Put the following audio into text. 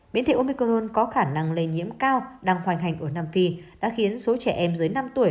biến thể omicron có khả năng lây nhiễm cao đang hoành hành ở nam phi đã khiến số trẻ em dưới năm tuổi